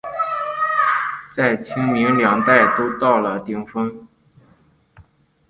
在清民两代都到了顶峰。